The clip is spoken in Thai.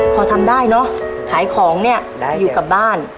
พอทำได้เนอะขายของเนี่ยอยู่กับบ้าน